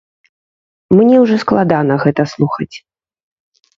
Мне ўжо складана гэта слухаць.